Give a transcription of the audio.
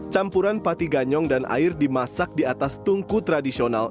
campuran pati ganyong dan air dimasak di atas tungku tradisional